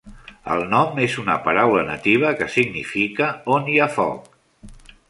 El nom és una paraula nativa que significa on hi ha foc.